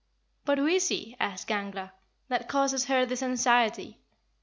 "But who is he," asked Gangler, "that causes her this anxiety?"